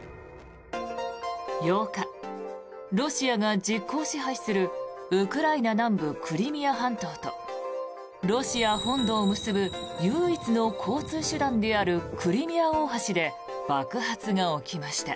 ８日、ロシアが実効支配するウクライナ南部クリミア半島とロシア本土を結ぶ唯一の交通手段であるクリミア大橋で爆発が起きました。